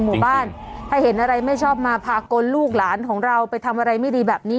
หมู่บ้านถ้าเห็นอะไรไม่ชอบมาพากลลูกหลานของเราไปทำอะไรไม่ดีแบบนี้